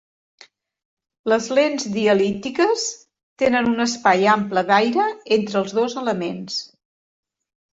Les lents dialítiques tenen un espai ample d'aire entre els dos elements.